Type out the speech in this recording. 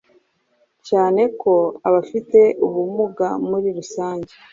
cyane ko abafite ubumuga muri rusange